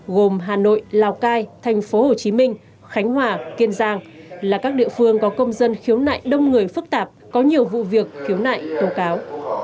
gồm hà nội lào cai tp hcm khánh hòa kiên giang là các địa phương có công dân khiếu nại đông người phức tạp có nhiều vụ việc khiếu nại tố cáo